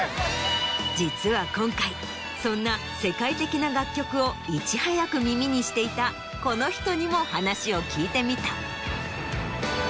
実は今回そんな世界的な楽曲をいち早く耳にしていたこの人にも話を聞いてみた。